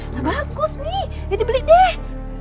nah bagus nih ini dibeli deh